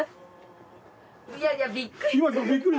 いやいや。びっくり。